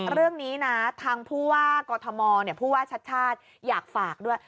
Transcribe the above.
เรื่องนี้นะทางผู้ว่ากอทมผู้ว่าชัดชาติอยากฝากด้วย